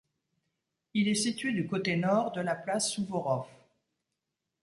Il est situé du côté nord de la place Souvorov.